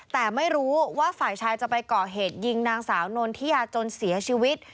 แต่ไม่รู้ว่าฝ่ายชายจะไปก่อเหตุยิงนางสาวนนทิยาจนเสียชีวิต